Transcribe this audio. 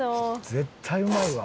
絶対うまいわ。